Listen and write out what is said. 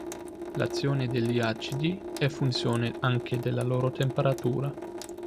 L'azione degli acidi è funzione anche della loro temperatura.